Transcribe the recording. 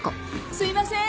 ・すいません。